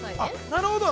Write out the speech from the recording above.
◆なるほど。